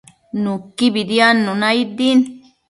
Nuquibi diadnuna aid din